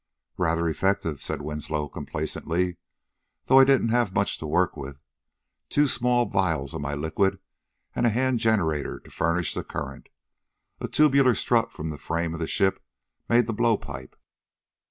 "Rather effective," said Winslow complacently, "though I didn't have much to work with. Two small vials of my liquid and a hand generator to furnish the current. A tubular strut from the frame of the ship made the blow pipe."